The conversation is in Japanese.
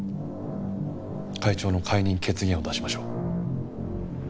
会長の解任決議案を出しましょう。